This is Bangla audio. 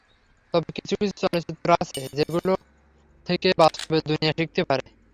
তবে কিছু কিছু চলচ্চিত্র আছে, যেগুলো থেকে বাস্তবের দুনিয়া শিখতে পারে।